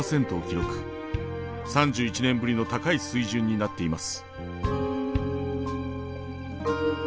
３１年ぶりの高い水準になっています。